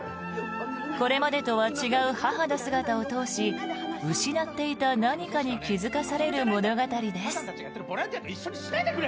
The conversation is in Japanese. これまでとは違う母の姿を通し失っていた何かに気付かされる物語です。